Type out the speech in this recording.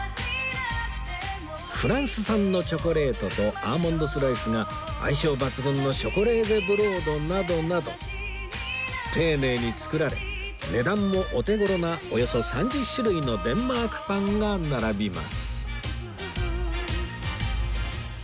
フランス産のチョコレートとアーモンドスライスが相性抜群のショコレーゼブロードなどなど丁寧に作られ値段もお手頃なおよそ３０種類のデンマークパンが並びます